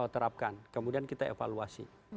terapkan kemudian kita evaluasi